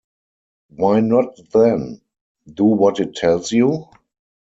Why not then, do what it tells you?